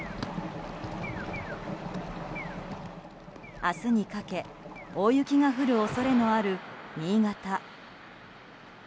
明日にかけ大雪が降る恐れのある新潟。